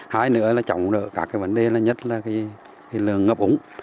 hai nữa là chống đỡ các vấn đề nhất là lượng ngập úng